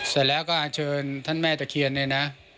เสร็จแล้วก็อันเชิญท่านแม่ตะเคียนเนี่ยนะ